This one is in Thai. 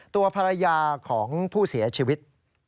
ตัวภรรยาของผู้เสียชีวิต